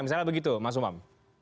misalnya begitu mas umam